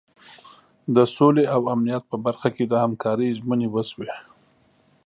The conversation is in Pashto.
د سولې او امنیت په برخه کې د همکارۍ ژمنې وشوې.